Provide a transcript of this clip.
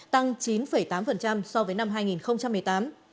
tăng chín tám so với năm hai nghìn một mươi tám